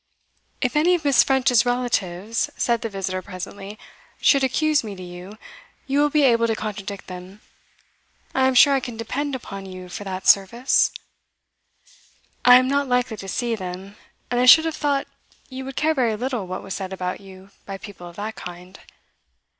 'If any of Miss. French's relatives,' said the visitor presently, 'should accuse me to you, you will be able to contradict them. I am sure I can depend upon you for that service?' 'I am not likely to see them; and I should have thought you would care very little what was said about you by people of that kind.